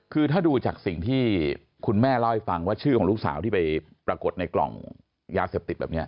คือถ้าดูจากสิ่งที่คุณแม่เล่าให้ฟังว่าชื่อของลูกสาวที่ไปปรากฏในกล่องยาเสพติดแบบนี้